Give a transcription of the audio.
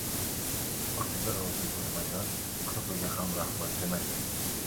• Oziga rozi bo‘lmagan, ko‘piga ham rahmat demaydi.